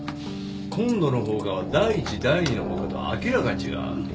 今度の放火は第一第二の放火とは明らかに違う。